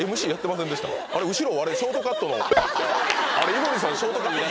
井森さん